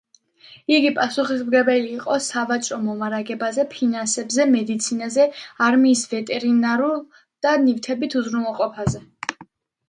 იგი პასუხისმგებელი იყო სავაჭრო მომარაგებაზე, ფინანსებზე, მედიცინაზე, არმიის ვეტერინარულ და ნივთებით უზრუნველყოფაზე.